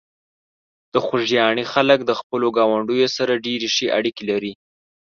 د خوږیاڼي خلک د خپلو ګاونډیو سره ډېرې ښې اړیکې لري.